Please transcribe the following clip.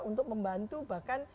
untuk membantu bahkan